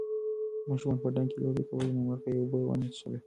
ماشومانو په ډنډ کې لوبې کولې نو مرغۍ اوبه ونه څښلې.